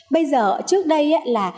bây giờ trước đây là